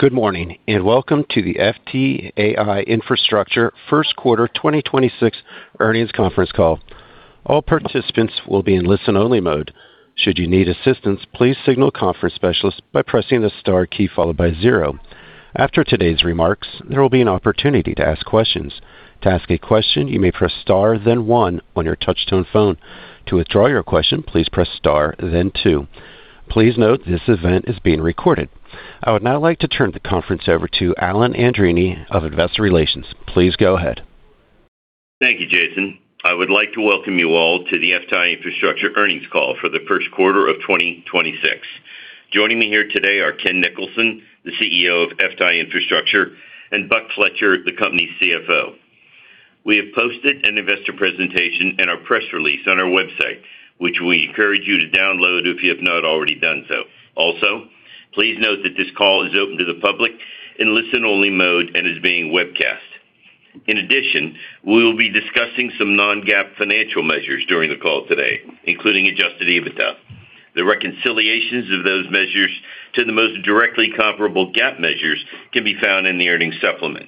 Good morning, welcome to the FTAI Infrastructure first quarter 2026 earnings conference call. All participants will be in listen-only mode. Should you need assistance, please signal conference specialist by pressing the star key followed by zero. After today's remarks, there will be an opportunity to ask questions. To ask a question, you may press star then one on your touch-tone phone. To withdraw your question, please press star then two. Please note this event is being recorded. I would now like to turn the conference over to Alan Andreini of Investor Relations. Please go ahead. Thank you, Jason. I would like to welcome you all to the FTAI Infrastructure earnings call for the 1st quarter of 2026. Joining me here today are Ken Nicholson, the CEO of FTAI Infrastructure, and Buck Fletcher, the company's CFO. We have posted an investor presentation and our press release on our website, which we encourage you to download if you have not already done so. Also, please note that this call is open to the public in listen-only mode and is being webcast. In addition, we will be discussing some non-GAAP financial measures during the call today, including adjusted EBITDA. The reconciliations of those measures to the most directly comparable GAAP measures can be found in the earnings supplement.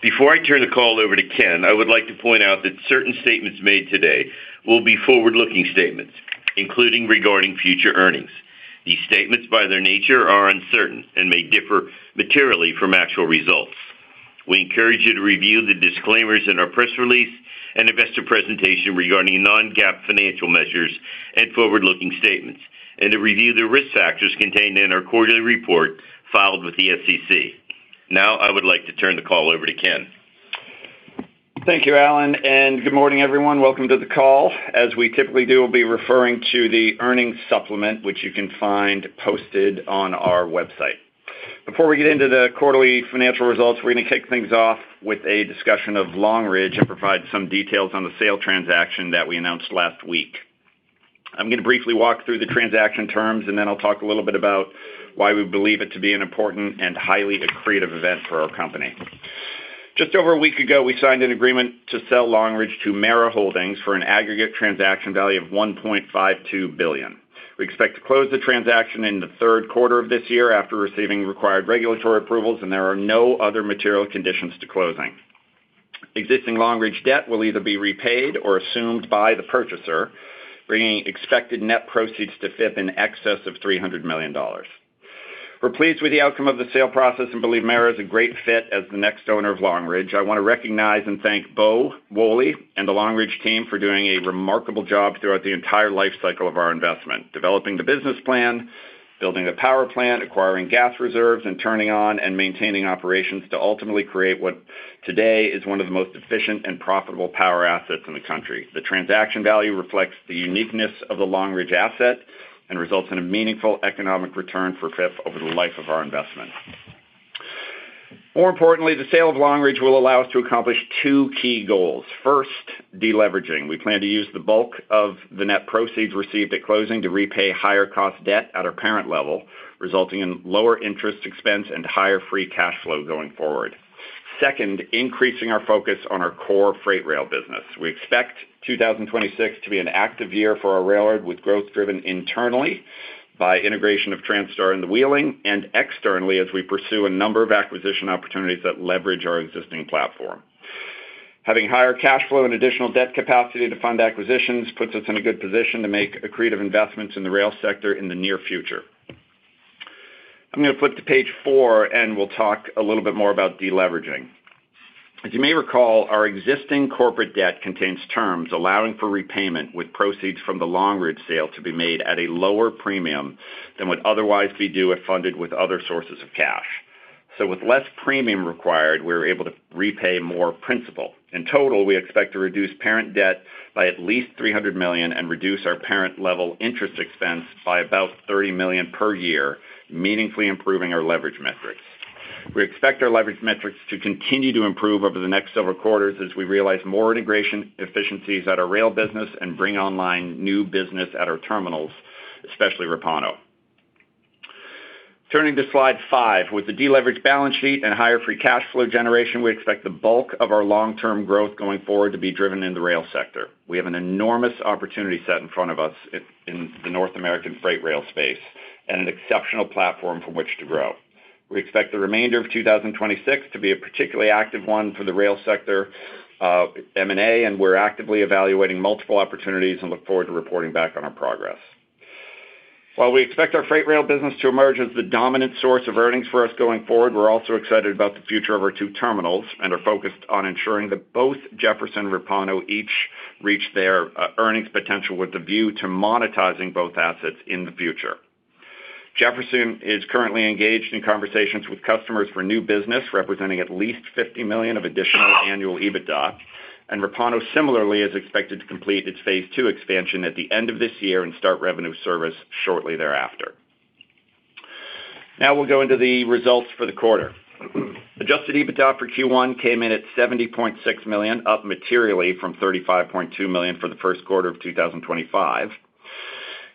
Before I turn the call over to Ken, I would like to point out that certain statements made today will be forward-looking statements, including regarding future earnings. These statements, by their nature, are uncertain and may differ materially from actual results. We encourage you to review the disclaimers in our press release and investor presentation regarding non-GAAP financial measures and forward-looking statements and to review the risk factors contained in our quarterly report filed with the SEC. Now I would like to turn the call over to Ken. Thank you, Alan. Good morning, everyone. Welcome to the call. As we typically do, we'll be referring to the earnings supplement, which you can find posted on our website. Before we get into the quarterly financial results, we're going to kick things off with a discussion of Long Ridge and provide some details on the sale transaction that we announced last week. I'm going to briefly walk through the transaction terms. Then I'll talk a little bit about why we believe it to be an important and highly accretive event for our company. Just over a week ago, we signed an agreement to sell Long Ridge to MARA Holdings for an aggregate transaction value of $1.52 billion. We expect to close the transaction in the third quarter of this year after receiving required regulatory approvals. There are no other material conditions to closing. Existing Long Ridge debt will either be repaid or assumed by the purchaser, bringing expected net proceeds to FIP in excess of $300 million. We're pleased with the outcome of the sale process and believe Mara is a great fit as the next owner of Long Ridge. I want to recognize and thank Robert Wholey and the Long Ridge team for doing a remarkable job throughout the entire lifecycle of our investment, developing the business plan, building the power plant, acquiring gas reserves, and turning on and maintaining operations to ultimately create what today is one of the most efficient and profitable power assets in the country. The transaction value reflects the uniqueness of the Long Ridge asset and results in a meaningful economic return for FIP over the life of our investment. More importantly, the sale of Long Ridge will allow us to accomplish two key goals. First, deleveraging. We plan to use the bulk of the net proceeds received at closing to repay higher cost debt at our parent level, resulting in lower interest expense and higher free cash flow going forward. Second, increasing our focus on our core freight rail business. We expect 2026 to be an active year for our railroad, with growth driven internally by integration of Transtar and the Wheeling, and externally as we pursue a number of acquisition opportunities that leverage our existing platform. Having higher cash flow and additional debt capacity to fund acquisitions puts us in a good position to make accretive investments in the rail sector in the near future. I'm going to flip to page four, and we'll talk a little bit more about deleveraging. As you may recall, our existing corporate debt contains terms allowing for repayment with proceeds from the Long Ridge sale to be made at a lower premium than would otherwise be due if funded with other sources of cash. With less premium required, we're able to repay more principal. In total, we expect to reduce parent debt by at least $300 million and reduce our parent level interest expense by about $30 million per year, meaningfully improving our leverage metrics. We expect our leverage metrics to continue to improve over the next several quarters as we realize more integration efficiencies at our rail business and bring online new business at our terminals, especially Repauno. Turning to slide five. With the deleveraged balance sheet and higher free cash flow generation, we expect the bulk of our long-term growth going forward to be driven in the rail sector. We have an enormous opportunity set in front of us in the North American freight rail space and an exceptional platform from which to grow. We expect the remainder of 2026 to be a particularly active one for the rail sector M&A. We're actively evaluating multiple opportunities and look forward to reporting back on our progress. While we expect our freight rail business to emerge as the dominant source of earnings for us going forward, we're also excited about the future of our two terminals and are focused on ensuring that both Jefferson and Repauno each reach their earnings potential with a view to monetizing both assets in the future. Jefferson is currently engaged in conversations with customers for new business, representing at least $50 million of additional annual EBITDA. Repauno similarly is expected to complete its phase two expansion at the end of this year and start revenue service shortly thereafter. Now we'll go into the results for the quarter. Adjusted EBITDA for Q1 came in at $70.6 million, up materially from $35.2 million for the first quarter of 2025.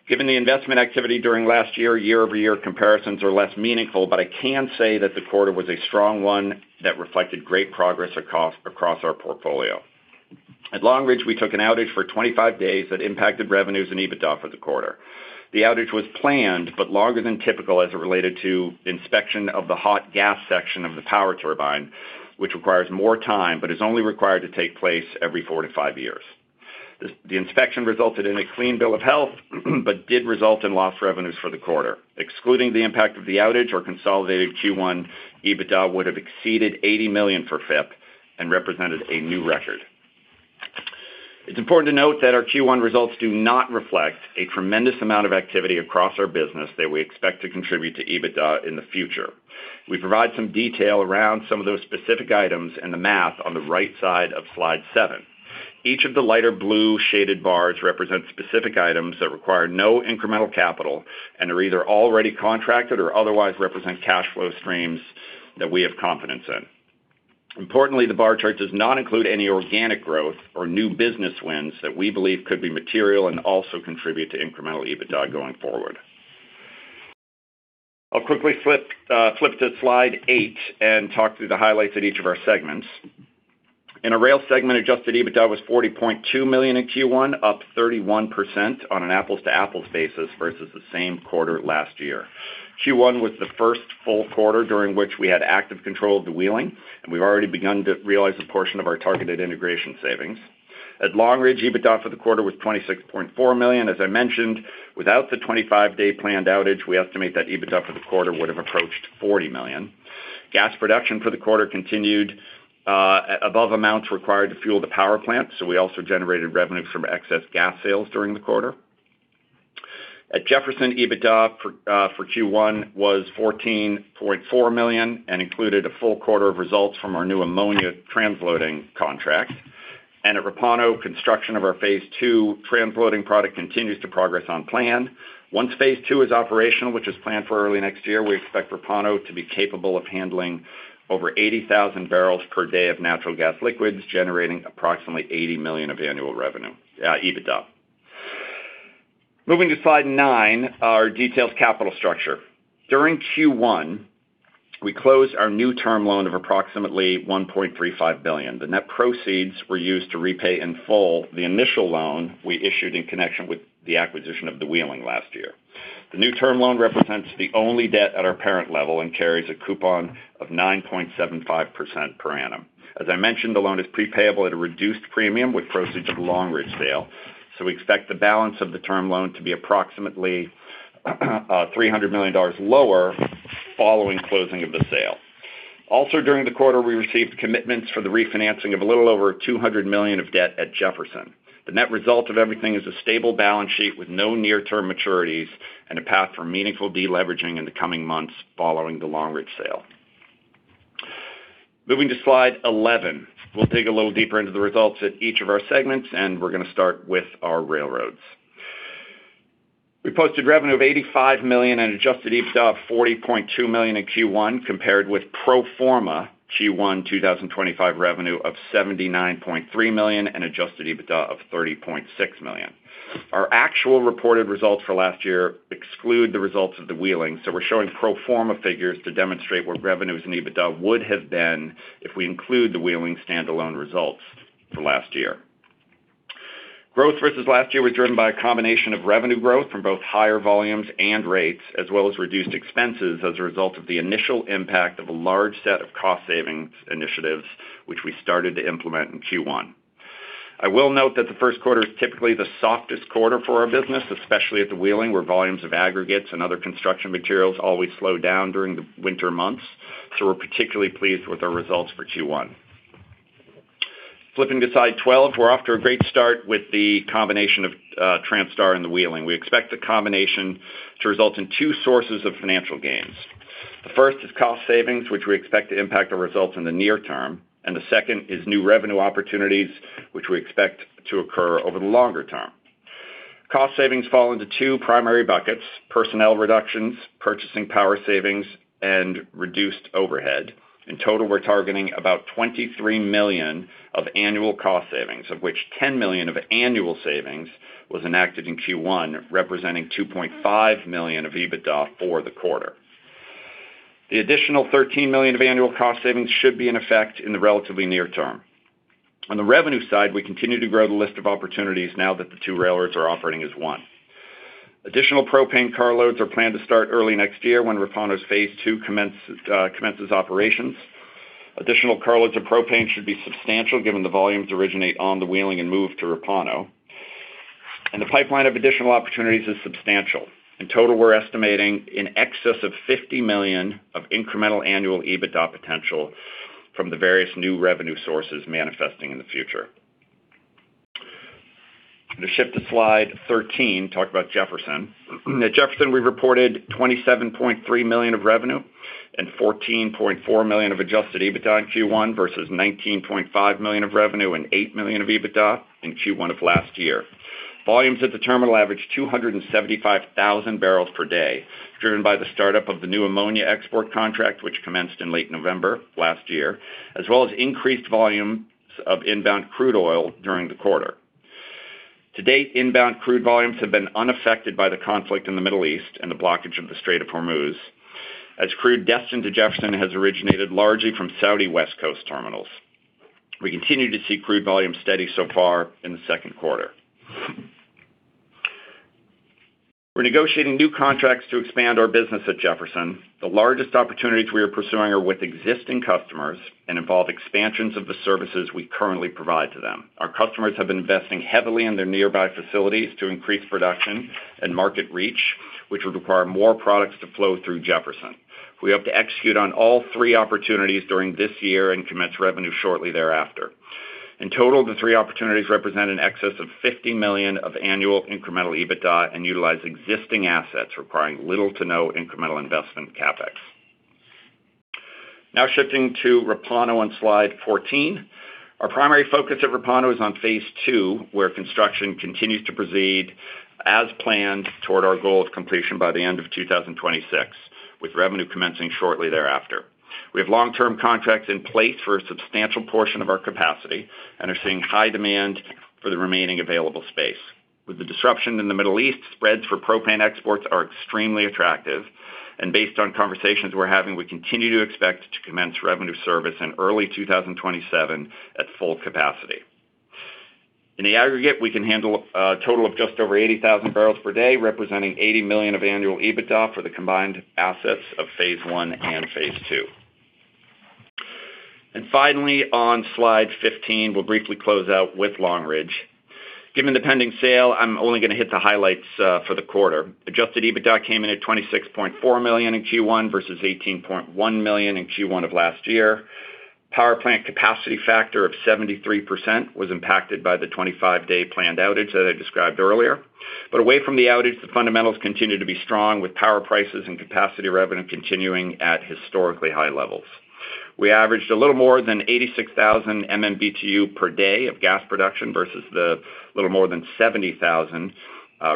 Given the investment activity during last year-over-year comparisons are less meaningful, but I can say that the quarter was a strong one that reflected great progress across our portfolio. At Long Ridge, we took an outage for 25 days that impacted revenues and EBITDA for the quarter. The outage was planned, but longer than typical as it related to inspection of the hot gas section of the power turbine, which requires more time, but is only required to take place every four to five years. The inspection resulted in a clean bill of health, but did result in lost revenues for the quarter. Excluding the impact of the outage or consolidated Q1, EBITDA would have exceeded $80 million for FIP and represented a new record. It's important to note that our Q1 results do not reflect a tremendous amount of activity across our business that we expect to contribute to EBITDA in the future. We provide some detail around some of those specific items in the math on the right side of slide seven. Each of the lighter blue shaded bars represents specific items that require no incremental capital and are either already contracted or otherwise represent cash flow streams that we have confidence in. Importantly, the bar chart does not include any organic growth or new business wins that we believe could be material and also contribute to incremental EBITDA going forward. I'll quickly flip to slide eight and talk through the highlights at each of our segments. In our rail segment, adjusted EBITDA was $40.2 million in Q1, up 31% on an apples-to-apples basis versus the same quarter last year. Q1 was the first full quarter during which we had active control of the Wheeling, and we've already begun to realize a portion of our targeted integration savings. At Long Ridge, EBITDA for the quarter was $26.4 million. As I mentioned, without the 25-day planned outage, we estimate that EBITDA for the quarter would have approached $40 million. Gas production for the quarter continued above amounts required to fuel the power plant, so we also generated revenues from excess gas sales during the quarter. At Jefferson, EBITDA for Q1 was $14.4 million and included a full quarter of results from our new ammonia transloading contract. At Repauno, construction of our phase II transloading product continues to progress on plan. Once phase II is operational, which is planned for early next year, we expect Repauno to be capable of handling over 80,000 barrels per day of natural gas liquids, generating approximately $80 million of annual EBITDA. Moving to slide nine, our detailed capital structure. During Q1, we closed our new term loan of approximately $1.35 billion. The net proceeds were used to repay in full the initial loan we issued in connection with the acquisition of the Wheeling last year. The new term loan represents the only debt at our parent level and carries a coupon of 9.75% per annum. As I mentioned, the loan is pre-payable at a reduced premium with proceeds of the Long Ridge sale. We expect the balance of the term loan to be approximately $300 million lower following closing of the sale. During the quarter, we received commitments for the refinancing of a little over $200 million of debt at Jefferson. The net result of everything is a stable balance sheet with no near-term maturities and a path for meaningful deleveraging in the coming months following the Long Ridge sale. Moving to slide 11. We'll dig a little deeper into the results at each of our segments, and we're gonna start with our railroads. We posted revenue of $85 million and adjusted EBITDA of $40.2 million in Q1, compared with pro forma Q1 2025 revenue of $79.3 million and adjusted EBITDA of $30.6 million. Our actual reported results for last year exclude the results of the Wheeling, so we're showing pro forma figures to demonstrate what revenues and EBITDA would have been if we include the Wheeling standalone results for last year. Growth versus last year was driven by a combination of revenue growth from both higher volumes and rates, as well as reduced expenses as a result of the initial impact of a large set of cost savings initiatives, which we started to implement in Q1. I will note that the first quarter is typically the softest quarter for our business, especially at the Wheeling, where volumes of aggregates and other construction materials always slow down during the winter months. We're particularly pleased with our results for Q1. Flipping to slide 12. We're off to a great start with the combination of Transtar and the Wheeling. We expect the combination to result in two sources of financial gains. The first is cost savings, which we expect to impact our results in the near term, and the second is new revenue opportunities, which we expect to occur over the longer term. Cost savings fall into two primary buckets: personnel reductions, purchasing power savings, and reduced overhead. In total, we're targeting about $23 million of annual cost savings, of which $10 million of annual savings was enacted in Q1, representing $2.5 million of EBITDA for the quarter. The additional $13 million of annual cost savings should be in effect in the relatively near term. On the revenue side, we continue to grow the list of opportunities now that the two railroads are operating as one. Additional propane carloads are planned to start early next year when Repauno's phase II commences operations. Additional carloads of propane should be substantial given the volumes originate on the Wheeling and move to Repauno. The pipeline of additional opportunities is substantial. In total, we're estimating in excess of $50 million of incremental annual EBITDA potential from the various new revenue sources manifesting in the future. I'm gonna shift to slide 13, talk about Jefferson. At Jefferson, we reported $27.3 million of revenue and $14.4 million of adjusted EBITDA in Q1 versus $19.5 million of revenue and $8 million of EBITDA in Q1 of last year. Volumes at the terminal averaged 275,000 barrels per day, driven by the startup of the new ammonia export contract, which commenced in late November last year, as well as increased volumes of inbound crude oil during the quarter. To date, inbound crude volumes have been unaffected by the conflict in the Middle East and the blockage of the Strait of Hormuz, as crude destined to Jefferson has originated largely from Saudi west coast terminals. We continue to see crude volumes steady so far in the second quarter. We're negotiating new contracts to expand our business at Jefferson. The largest opportunities we are pursuing are with existing customers and involve expansions of the services we currently provide to them. Our customers have been investing heavily in their nearby facilities to increase production and market reach, which would require more products to flow through Jefferson. We hope to execute on all three opportunities during this year and commence revenue shortly thereafter. In total, the three opportunities represent an excess of $50 million of annual incremental EBITDA and utilize existing assets requiring little to no incremental investment CapEx. Now shifting to Repauno on slide 14. Our primary focus at Repauno is on phase II, where construction continues to proceed as planned toward our goal of completion by the end of 2026, with revenue commencing shortly thereafter. We have long-term contracts in place for a substantial portion of our capacity and are seeing high demand for the remaining available space. With the disruption in the Middle East, spreads for propane exports are extremely attractive. Based on conversations we're having, we continue to expect to commence revenue service in early 2027 at full capacity. In the aggregate, we can handle a total of just over 80,000 barrels per day, representing $80 million of annual EBITDA for the combined assets of phase I and phase II. Finally, on slide 15, we'll briefly close out with Long Ridge. Given the pending sale, I'm only going to hit the highlights for the quarter. Adjusted EBITDA came in at $26.4 million in Q1 versus $18.1 million in Q1 of last year. Power plant capacity factor of 73% was impacted by the 25-day planned outage that I described earlier. Away from the outage, the fundamentals continue to be strong, with power prices and capacity revenue continuing at historically high levels. We averaged a little more than 86,000 MMBtu per day of gas production versus the little more than 70,000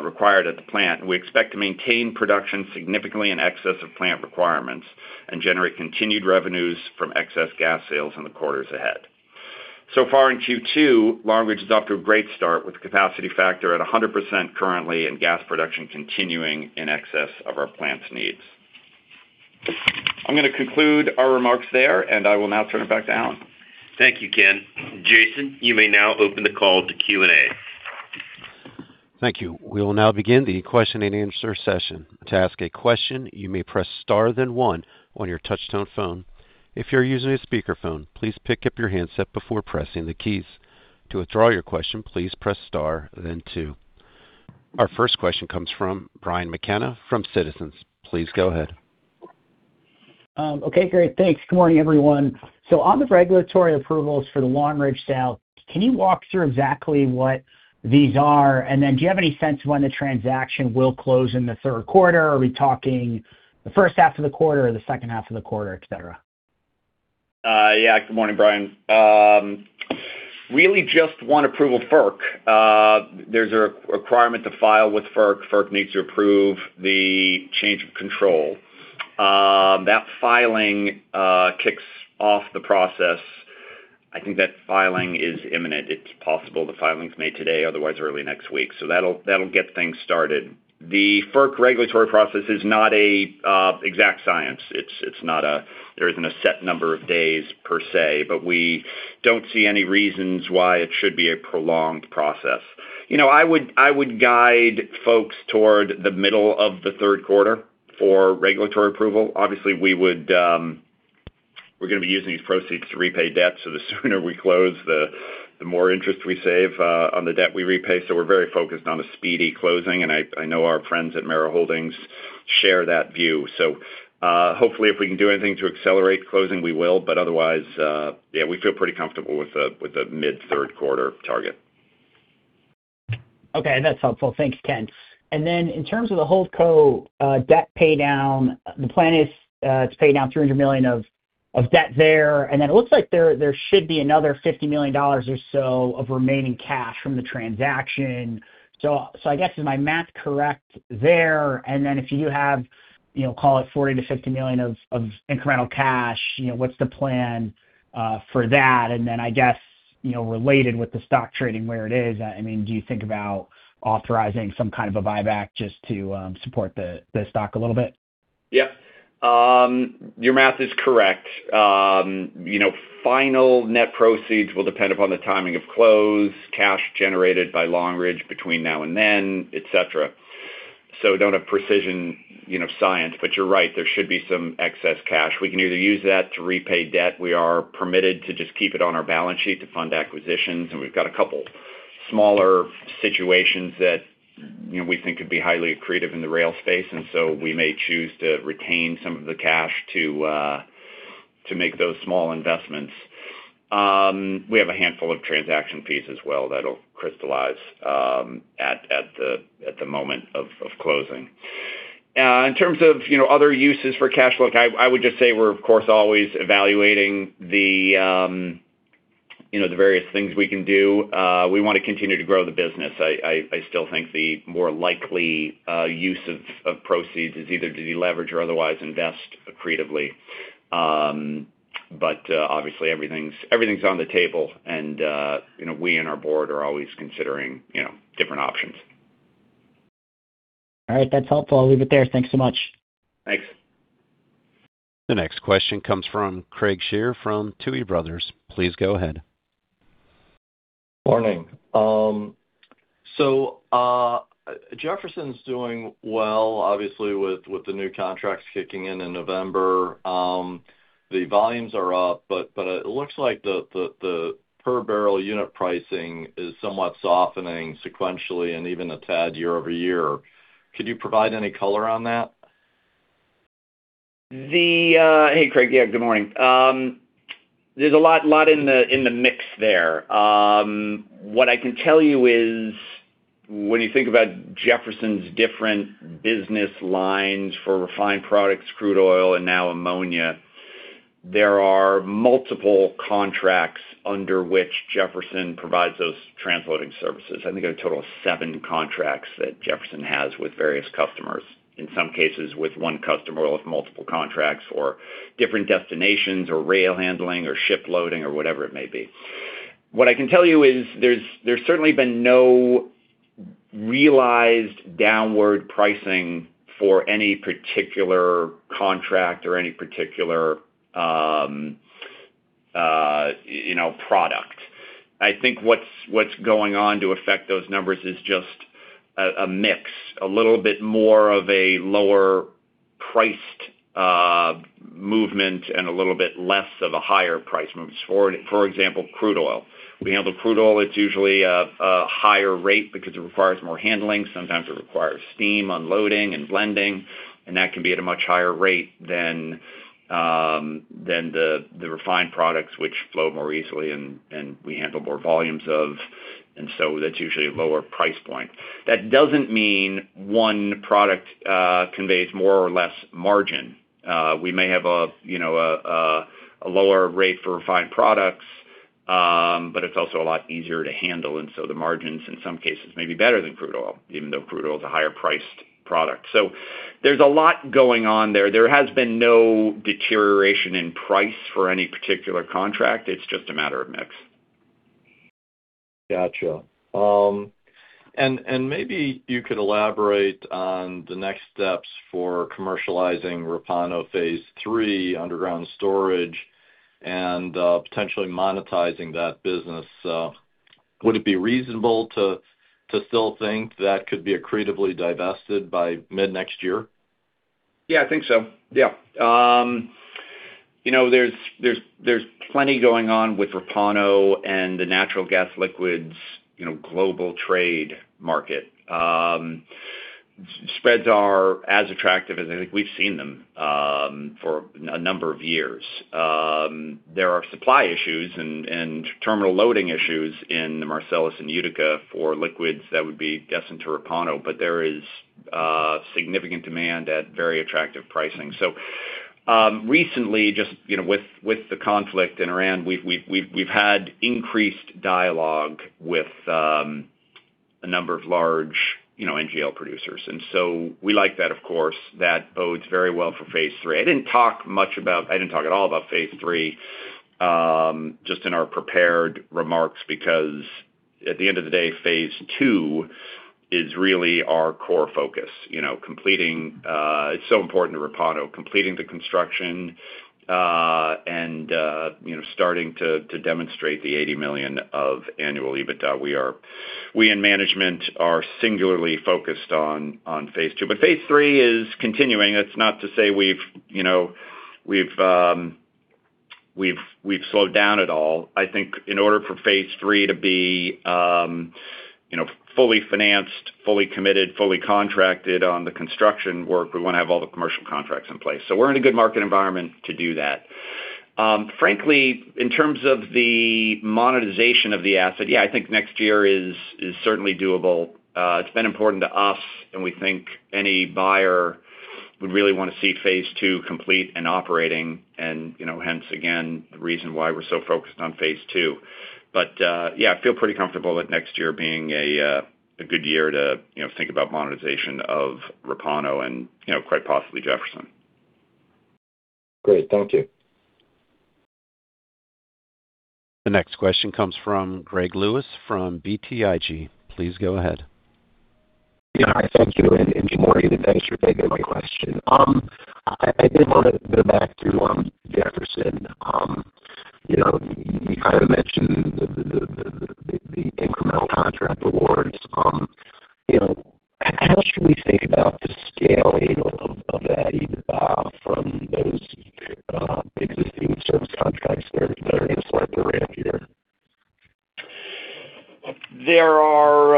required at the plant. We expect to maintain production significantly in excess of plant requirements and generate continued revenues from excess gas sales in the quarters ahead. So far in Q2, Long Ridge is off to a great start with capacity factor at 100% currently and gas production continuing in excess of our plant's needs. I'm going to conclude our remarks there, and I will now turn it back to Alan. Thank you, Ken. Jason, you may now open the call to Q&A. Thank you. We will now begin the question-and-answer session. To ask a question, you may press star one on your touch-tone phone. If you're using a speakerphone, please pick up your handset before pressing the keys. To withdraw your question, please press star two. Our first question comes from Brian McKenna from Citizens. Please go ahead. Okay, great. Thanks. Good morning, everyone. On the regulatory approvals for the Long Ridge sale, can you walk through exactly what these are? Do you have any sense when the transaction will close in the third quarter? Are we talking the first half of the quarter or the second half of the quarter, et cetera? Yeah. Good morning, Brian. Really just one approval, FERC. There's a requirement to file with FERC. FERC needs to approve the change of control. That filing kicks off the process. I think that filing is imminent. It's possible the filing is made today, otherwise early next week. That'll get things started. The FERC regulatory process is not a exact science. It's not a. There isn't a set number of days per se, but we don't see any reasons why it should be a prolonged process. You know, I would guide folks toward the middle of the third quarter for regulatory approval. Obviously, we would. We're going to be using these proceeds to repay debt, the sooner we close, the more interest we save on the debt we repay. We're very focused on a speedy closing, and I know our friends at Mara Holdings share that view. Hopefully, if we can do anything to accelerate closing, we will. Otherwise, yeah, we feel pretty comfortable with the mid-third quarter target. Okay, that's helpful. Thanks, Ken. In terms of the Holdco debt pay down, the plan is to pay down $300 million of debt there. It looks like there should be another $50 million or so of remaining cash from the transaction. I guess, is my math correct there? If you do have, you know, call it $40 million-$50 million of incremental cash, you know, what's the plan for that? I guess, you know, related with the stock trading where it is, I mean, do you think about authorizing some kind of a buyback just to support the stock a little bit? Yeah. Your math is correct. Final net proceeds will depend upon the timing of close, cash generated by Long Ridge between now and then, et cetera. Don't have precision, science, but you're right, there should be some excess cash. We can either use that to repay debt. We are permitted to just keep it on our balance sheet to fund acquisitions, and we've got a couple smaller situations that we think could be highly accretive in the rail space. We may choose to retain some of the cash to make those small investments. We have a handful of transaction fees as well that'll crystallize at the moment of closing. In terms of, you know, other uses for cash, look, I would just say we're, of course, always evaluating the, you know, the various things we can do. We want to continue to grow the business. I still think the more likely use of proceeds is either to deleverage or otherwise invest accretively. Obviously everything's on the table and, you know, we and our board are always considering, you know, different options. All right. That's helpful. I'll leave it there. Thanks so much. Thanks. The next question comes from Craig Shere from Tuohy Brothers. Please go ahead. Morning. Jefferson's doing well, obviously, with the new contracts kicking in in November. The volumes are up, but it looks like the per barrel unit pricing is somewhat softening sequentially and even a tad year-over-year. Could you provide any color on that? Hey, Craig. Yeah, good morning. There's a lot in the mix there. What I can tell you is when you think about Jefferson's different business lines for refined products, crude oil, and now ammonia, there are multiple contracts under which Jefferson provides those transloading services. I think a total of seven contracts that Jefferson has with various customers, in some cases with one customer with multiple contracts or different destinations or rail handling or ship loading or whatever it may be. What I can tell you is there's certainly been no realized downward pricing for any particular contract or any particular, you know, product. I think what's going on to affect those numbers is just a mix, a little bit more of a lower priced movement and a little bit less of a higher price moves. For example, crude oil. We handle crude oil, it's usually a higher rate because it requires more handling. Sometimes it requires steam unloading and blending, and that can be at a much higher rate than the refined products which flow more easily and we handle more volumes of, and so that's usually a lower price point. That doesn't mean one product conveys more or less margin. We may have a, you know, a lower rate for refined products, but it's also a lot easier to handle, and so the margins in some cases may be better than crude oil, even though crude oil is a higher priced product. There's a lot going on there. There has been no deterioration in price for any particular contract. It's just a matter of mix. Gotcha. Maybe you could elaborate on the next steps for commercializing Repauno phase III underground storage and potentially monetizing that business. Would it be reasonable to still think that could be accretively divested by mid-next year? Yeah, I think so. Yeah. You know, there's plenty going on with Repauno and the natural gas liquids, you know, global trade market. Spreads are as attractive as I think we've seen them for a number of years. There are supply issues and terminal loading issues in the Marcellus and Utica for liquids that would be destined to Repauno, but there is significant demand at very attractive pricing. Recently, just, you know, with the conflict in Iran, we've had increased dialogue with a number of large, you know, NGL producers. We like that, of course. That bodes very well for phase III. I didn't talk at all about phase III, just in our prepared remarks because at the end of the day, phase II is really our core focus. You know, completing, it's so important to Repauno, completing the construction, and, you know, starting to demonstrate the $80 million of annual EBITDA. We in management are singularly focused on phase II. Phase III is continuing. That's not to say we've, you know, we've slowed down at all. I think in order for phase III to be, you know, fully financed, fully committed, fully contracted on the construction work, we wanna have all the commercial contracts in place. We're in a good market environment to do that. frankly, in terms of the monetization of the asset, yeah, I think next year is certainly doable. It's been important to us, and we think any buyer would really wanna see phase II complete and operating and, you know, hence again, the reason why we're so focused on phase II. Yeah, I feel pretty comfortable with next year being a good year to, you know, think about monetization of Repauno and, you know, quite possibly Jefferson. Great. Thank you. The next question comes from Gregory Lewis from BTIG. Please go ahead. Yeah. Thank you. Good morning, and thanks for taking my question. I did wanna go back to Jefferson. You know, you kind of mentioned the incremental contract awards. You know, how should we think about the scaling of that EBITDA from those existing service contracts that are gonna start to ramp here? There are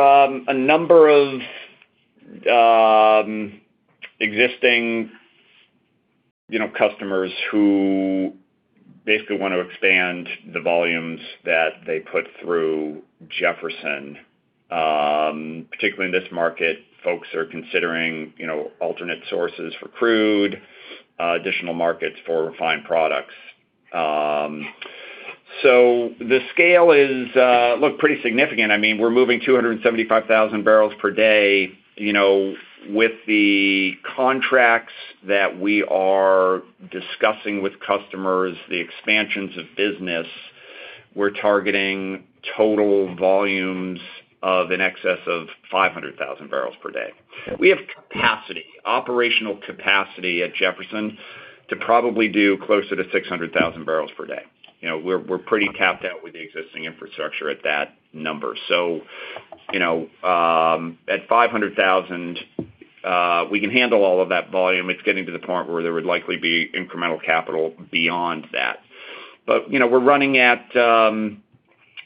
a number of existing, you know, customers who basically wanna expand the volumes that they put through Jefferson. Particularly in this market, folks are considering, you know, alternate sources for crude, additional markets for refined products. The scale is look pretty significant. I mean, we're moving 275,000 barrels per day. You know, with the contracts that we are discussing with customers, the expansions of business, we're targeting total volumes of an excess of 500,000 barrels per day. We have capacity, operational capacity at Jefferson to probably do closer to 600,000 barrels per day. You know, we're pretty capped out with the existing infrastructure at that number. You know, at 500,000, we can handle all of that volume. It's getting to the point where there would likely be incremental capital beyond that. you know, we're running at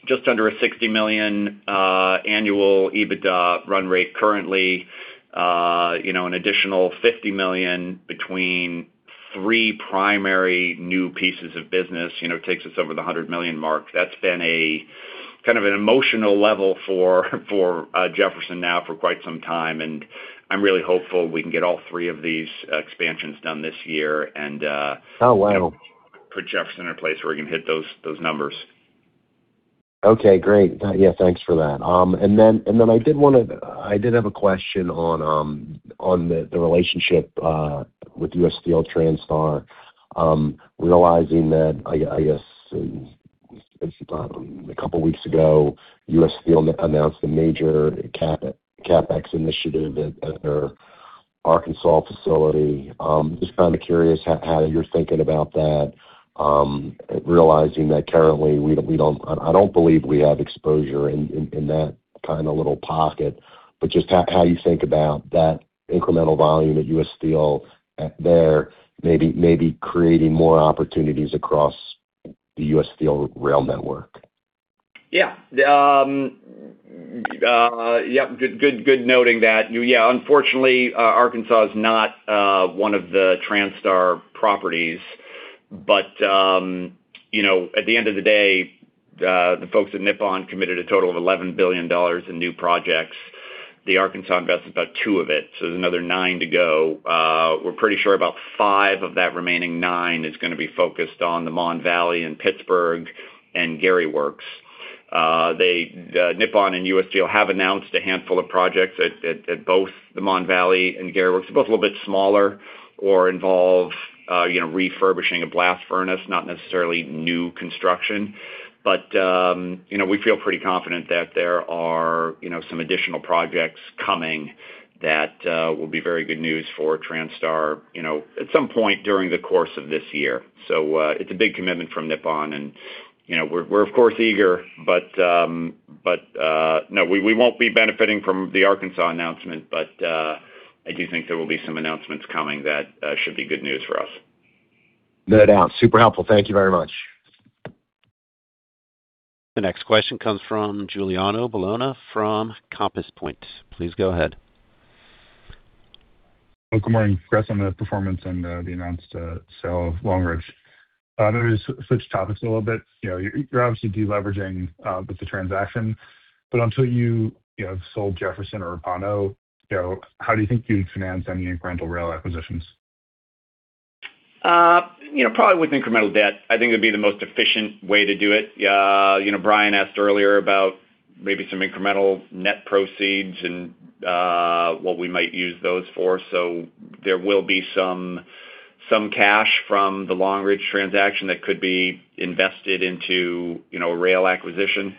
just under a $60 million annual EBITDA run rate currently. You know, an additional $50 million between three primary new pieces of business, you know, takes us over the $100 million mark. That's been a kind of an emotional level for Jefferson now for quite some time, and I'm really hopeful we can get all three of these expansions done this year- Oh, wow. -put Jefferson in a place where we can hit those numbers. Okay, great. Yeah, thanks for that. I did have a question on the relationship with U.S. Steel Transtar, realizing that, I guess, couple weeks ago, U.S. Steel announced a major CapEx initiative at their Arkansas facility. Just kind of curious how you're thinking about that, realizing that currently I don't believe we have exposure in that kind of little pocket, but just how you think about that incremental volume at U.S. Steel there maybe creating more opportunities across the U.S. Steel rail network. Yeah. Yep, good noting that. Yeah, unfortunately, Arkansas is not one of the Transtar properties, but at the end of the day, the folks at Nippon committed a total of $11 billion in new projects. The Arkansas invest is about two of it, there's another nine to go. We're pretty sure about five of that remaining nine is gonna be focused on the Mon Valley and Pittsburgh and Gary Works. They, Nippon and U.S. Steel have announced a handful of projects at both the Mon Valley and Gary Works. They're both a little bit smaller or involve refurbishing a blast furnace, not necessarily new construction. You know, we feel pretty confident that there are, you know, some additional projects coming that will be very good news for Transtar, you know, at some point during the course of this year. It's a big commitment from Nippon and, you know, we're of course eager. No, we won't be benefiting from the Arkansas announcement, but I do think there will be some announcements coming that should be good news for us. No doubt. Super helpful. Thank Thank you very much. The next question comes from Giuliano Bologna from Compass Point. Please go ahead. Good morning. Congrats on the performance and the announced sale of Long Ridge. Switch topics a little bit. You know, you're obviously de-leveraging with the transaction, but until you know, sold Jefferson or Repauno, you know, how do you think you'd finance any incremental rail acquisitions? You know, probably with incremental debt, I think it'd be the most efficient way to do it. You know, Brian asked earlier about maybe some incremental net proceeds and what we might use those for. There will be some cash from the Long Ridge transaction that could be invested into, you know, a rail acquisition.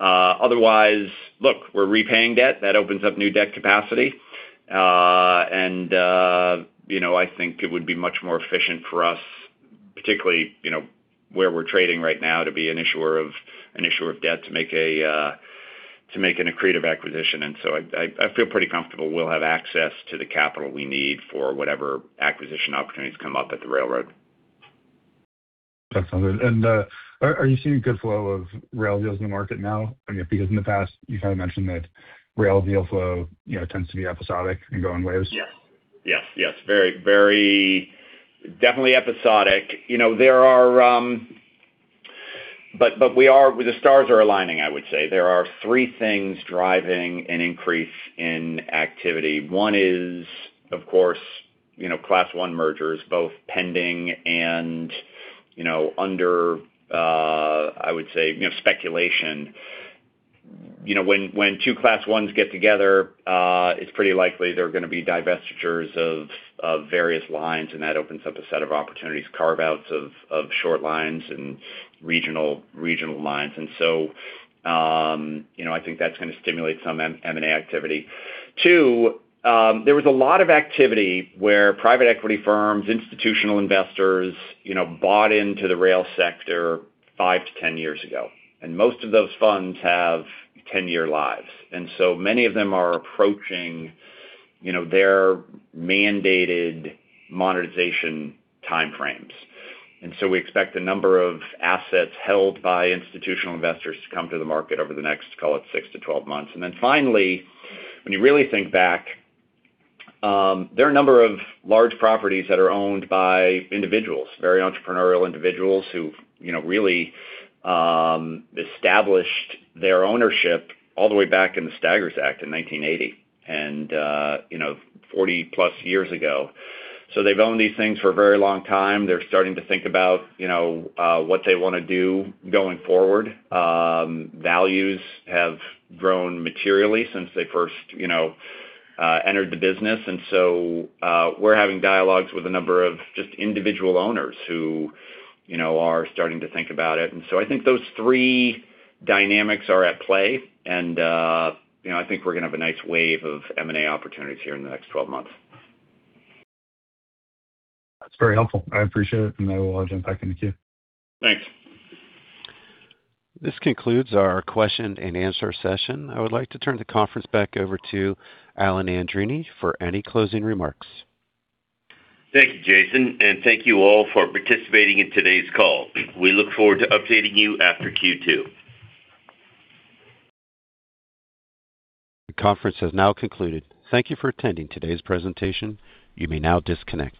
Otherwise, look, we're repaying debt. That opens up new debt capacity. You know, I think it would be much more efficient for us, particularly, you know, where we're trading right now to be an issuer of debt to make an accretive acquisition. I feel pretty comfortable we'll have access to the capital we need for whatever acquisition opportunities come up at the railroad. That's all good. Are you seeing a good flow of rail deals in the market now? I mean, because in the past, you kind of mentioned that rail deal flow, you know, tends to be episodic and go in waves. Yes. Yes. Very definitely episodic. You know, there are. The stars are aligning, I would say. There are thre things driving an increase in activity. One is, of course, you know, Class I mergers, both pending and, you know, under, I would say, you know, speculation. You know, when two Class I's get together, it's pretty likely there are gonna be divestitures of various lines, and that opens up a set of opportunities, carve-outs of short lines and regional lines. You know, I think that's gonna stimulate some M&A activity. Two, there was a lot of activity where private equity firms, institutional investors, you know, bought into the rail sector five to 10 years ago. Most of those funds have 10-year lives. Many of them are approaching, you know, their mandated monetization time frames. We expect a number of assets held by institutional investors to come to the market over the next, call it six to 12 months. Finally, when you really think back, there are a number of large properties that are owned by individuals, very entrepreneurial individuals who've, you know, really established their ownership all the way back in the Staggers Rail Act of 1980 and, you know, 40+ years ago. They've owned these things for a very long time. They're starting to think about, you know, what they wanna do going forward. Values have grown materially since they first, you know, entered the business. We're having dialogues with a number of just individual owners who, you know, are starting to think about it. I think those three dynamics are at play and, you know, I think we're gonna have a nice wave of M&A opportunities here in the next 12 months. That's very helpful. I appreciate it, and I will jump back into queue. Thanks. This concludes our question and answer session. I would like to turn the conference back over to Alan Andreini for any closing remarks. Thank you, Jason. Thank you all for participating in today's call. We look forward to updating you after Q2. The conference has now concluded. Thank you for attending today's presentation. You may now disconnect.